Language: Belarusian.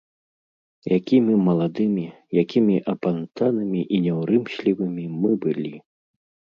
Якімі маладымі, якімі апантанымі і няўрымслівымі мы былі.